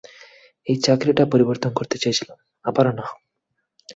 এই চাকরিটা পরিবর্তন করতে চেয়েছিলাম, আবারও না।